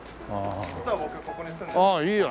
実は僕ここに住んでます。